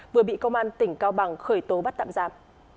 vừa bị công an tỉnh cao bằng khởi tố bắt tạm giam